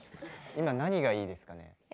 今何がいいですかね？